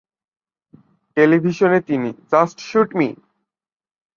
টেলিভিশনে তিনি "just shoot me!"